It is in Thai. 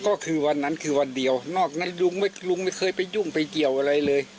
ก็คือวันนั้นคือวันเดียวนอกนั้นลุงไม่เคยไปยุ่งไปเกี่ยวอะไรเลย